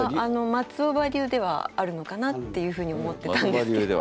松尾葉流ではあるのかなっていうふうに思ってたんですけど。